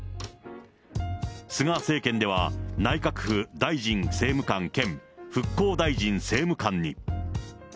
菅政権では、内閣府大臣政務官兼復興大臣政務官に。